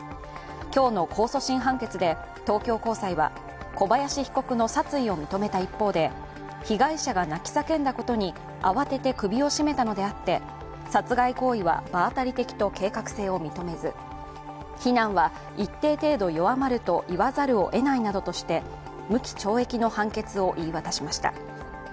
今日の控訴審判決で東京高裁は小林被告の殺意を認めた一方で被害者が泣き叫んだことに、慌てて首を絞めたのであって殺害行為は場当たり的と計画性を認めず非難は一定程度弱まるといわざるを得ないなどとして無期懲役の判決を言い渡しました。